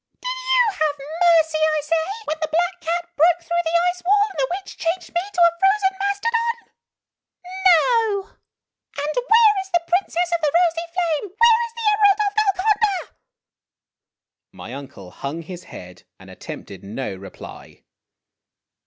Did you have mercy, I say, when the black cat broke through the ice wall, and the witch changed me to a frozen mastodon ? No ! And where is the *3> Princess of the Rosy Flame ? Where is the Emerald of Golconda ?' My uncle hung his head and attempted no reply.